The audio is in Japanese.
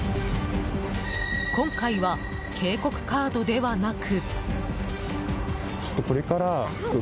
今回は警告カードではなく。